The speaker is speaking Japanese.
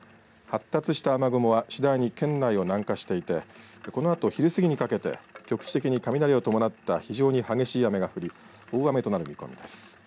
発達した雨雲は次第に県内を南下していてこのあと昼過ぎにかけて局地的に雷を伴った非常に激しい雨が降り大雨となる見込みです。